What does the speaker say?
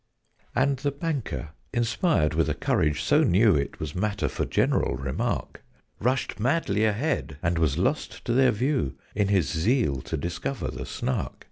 And the Banker, inspired with a courage so new It was matter for general remark, Rushed madly ahead and was lost to their view In his zeal to discover the Snark.